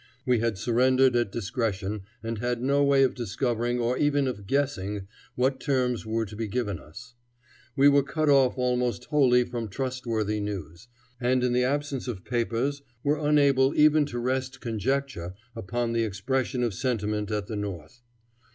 We had surrendered at discretion, and had no way of discovering or even of guessing what terms were to be given us. We were cut off almost wholly from trustworthy news, and in the absence of papers were unable even to rest conjecture upon the expression of sentiment at the North.